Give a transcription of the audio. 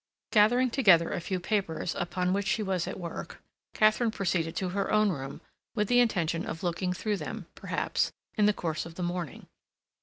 Gathering together a few papers upon which she was at work, Katharine proceeded to her own room with the intention of looking through them, perhaps, in the course of the morning.